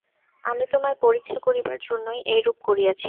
আমি তোমায় পরীক্ষা করিবার জন্যই এইরূপ করিয়াছি।